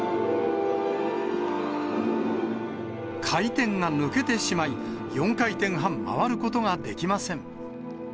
回転が抜けてしまい、４回転半回ることができません。